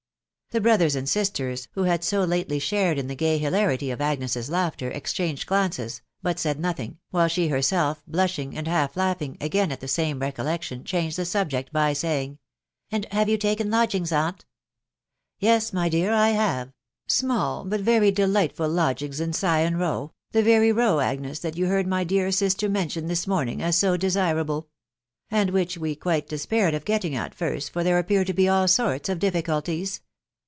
The brother and sisters, who had so lately shared in Jhe gay hilarity of Agnes' s laughter, exchanged glances, but said no thing, while she herself blushing, and half laughing again at the same recollection, changed the subject by wing, — And have you taken lodgings, aunt? " Yes, my dear, 1 have ••.. small but very delightful lodgings in Sion Row .... the very Row, Agnes, that yea heard my dear sister mention this morning as to deauaaie i .... and which we quite despaired of getting at first, for there appeared to be all sorts of difficulties.